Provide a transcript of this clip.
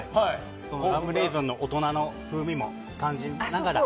ラムレーズンの大人な風味も感じながら。